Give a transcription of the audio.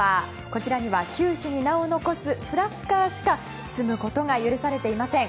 こちらには球史に名を残すスラッガーしか住むことが許されていません。